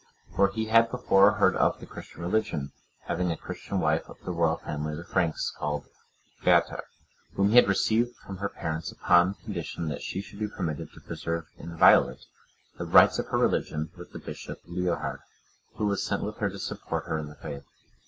For he had before heard of the Christian religion, having a Christian wife of the royal family of the Franks, called Bertha;(114) whom he had received from her parents, upon condition that she should be permitted to preserve inviolate the rites of her religion with the Bishop Liudhard,(115) who was sent with her to support her in the faith.